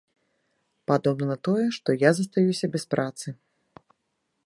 Падобна на тое, што я застаюся без працы.